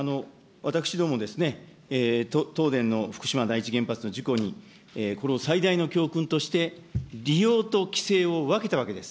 私どもですね、東電の福島第一原発の事故に、これを最大の教訓として、利用と規制を分けたわけです。